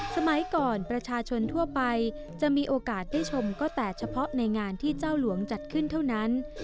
สมัยก่อนประชาชนทั่วไปจะมีโอกาสได้ชมก็แต่เฉพาะในงานที่เจ้าหลวงจัดขึ้นเท่านั้น